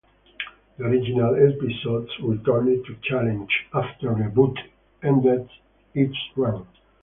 The original episodes returned to Challenge after 'Rebooted' ended its run.